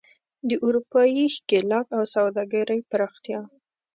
د اروپايي ښکېلاک او سوداګرۍ پراختیا.